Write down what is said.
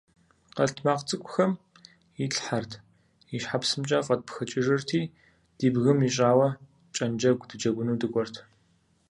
Къэлтмакъ цӀыкӀухэм итлъхьэрт, и щхьэпсымкӀэ фӀэтпхыкӀыжырти, ди бгым ищӏауэ кӀэнджэгу дыджэгуну дыкӀуэрт.